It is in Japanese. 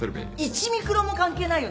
１ミクロンも関係ないよね？